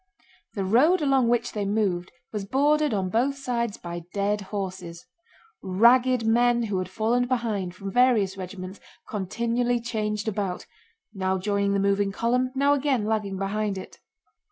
The road along which they moved was bordered on both sides by dead horses; ragged men who had fallen behind from various regiments continually changed about, now joining the moving column, now again lagging behind it.